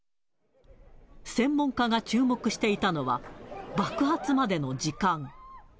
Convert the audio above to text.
専門家が注目していたのは、爆発までの時間。